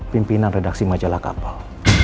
pimpinan redaksi majalah kapol